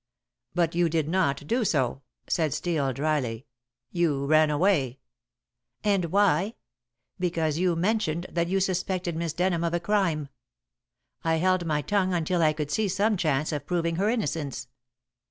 "But you did not do so," said Steel dryly; "you ran away." "And why? Because you mentioned that you suspected Miss Denham of a crime. I held my tongue until I could see some chance of proving her innocence.